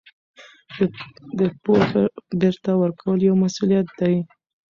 د پور بېرته ورکول یو مسوولیت دی.